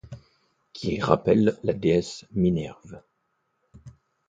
Qui rappellent la déesse Minerve.